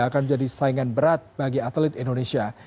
akan menjadi saingan berat bagi atlet indonesia